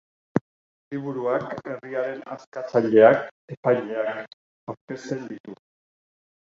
Liburuak herriaren askatzaileak, epaileak, aurkezten ditu.